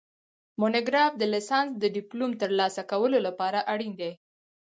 مونوګراف د لیسانس د ډیپلوم د ترلاسه کولو لپاره اړین دی